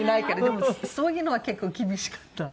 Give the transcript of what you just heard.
でもそういうのは結構厳しかった。